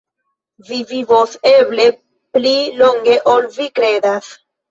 Vi vivos eble pli longe, ol vi kredas.